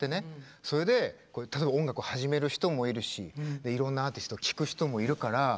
それで、例えば音楽を始める人もいるしいろんなアーティスト聴く人もいるから。